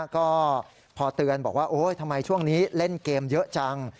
ก็พอเตือนบอกว่าโอ๊ยทำไมช่วงนี้เล่นเกมเยอะจัง